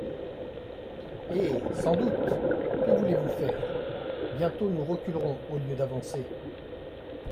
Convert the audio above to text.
Eh ! sans doute ! que voulez-vous faire ? Bientôt nous reculerons au lieu d'avancer.